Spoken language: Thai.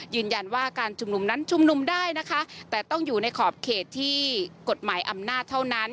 ยืนยันว่าการชุมนุมนั้นชุมนุมได้นะคะแต่ต้องอยู่ในขอบเขตที่กฎหมายอำนาจเท่านั้น